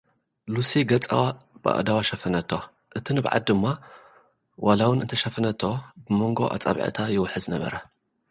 ሉሲ ገጻ ብኣእዳዋ ሸፈነቶ፣ እቲ ንብዓት ድማ ውላ'ውን እንተሸፈነቶ፡ብመንጎ ኣጻብዕታ ይውሕዝ ነበረ።